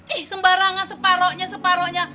ih sembarangan separohnya